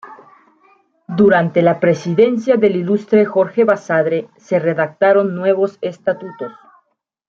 Durante la presidencia del ilustre Jorge Basadre se redactaron nuevos estatutos.